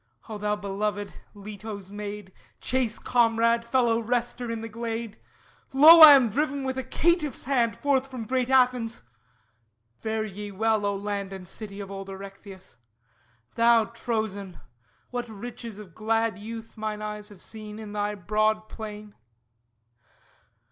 O thou belovèd, Leto's Maid, Chase comrade, fellow rester in the glade, Lo, I am driven with a caitiff's brand Forth from great Athens! Fare ye well, O land And city of old Erechtheus! Thou, Trozên, What riches of glad youth mine eyes have seen In thy broad plain!